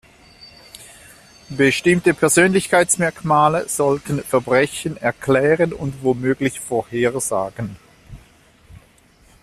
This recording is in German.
Bestimmte Persönlichkeitsmerkmale sollten Verbrechen erklären und womöglich vorhersagen.